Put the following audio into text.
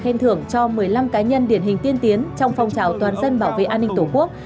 khen thưởng cho một mươi năm cá nhân điển hình tiên tiến trong phong trào toàn dân bảo vệ an ninh tổ quốc